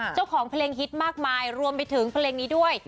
เจ้าของเพลงฮิตมากมายรวมไปถึงเพลงนี้ด้วย